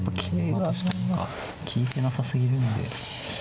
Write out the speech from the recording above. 確かに利いてなさすぎるんで。